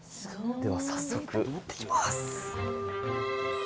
では早速行ってきます。